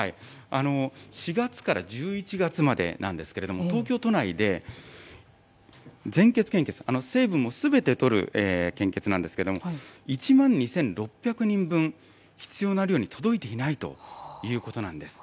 ４月から１１月までなんですけども、東京都内で、全血献血、成分をすべてとる献血なんですけども、１万２６００人分必要な量に届いていないということなんです。